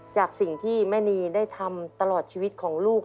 จากสิ่งที่แม่นีได้ทำตลอดชีวิตของลูก